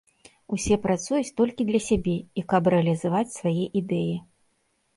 Усе працуюць толькі для сябе, і каб рэалізаваць свае ідэі.